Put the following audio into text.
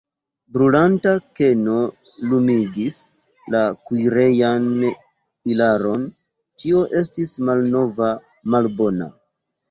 Brulanta keno lumigis la kuirejan ilaron, ĉio estis malnova, malbona.